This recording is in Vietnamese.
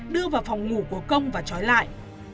đưa vào phòng ngủ của công và trói lại